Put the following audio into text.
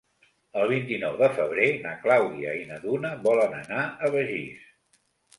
El vint-i-nou de febrer na Clàudia i na Duna volen anar a Begís.